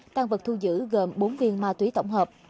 tăng vật thu giữ gồm bốn viên ma túy tổng hợp